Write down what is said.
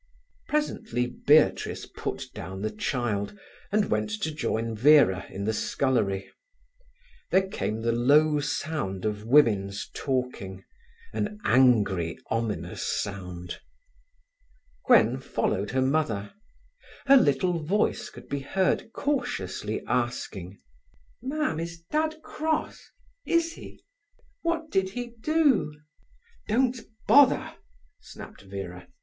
Presently Beatrice put down the child, and went to join Vera in the scullery. There came the low sound of women's talking—an angry, ominous sound. Gwen followed her mother. Her little voice could be heard cautiously asking: "Mam, is dad cross—is he? What did he do?" "Don't bother!" snapped Vera.